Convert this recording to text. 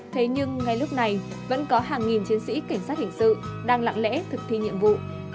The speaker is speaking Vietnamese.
thế nhưng ngay lúc này vẫn có hàng nghìn chiến sĩ cảnh sát hình sự đang lặng lẽ thực thi nhiệm vụ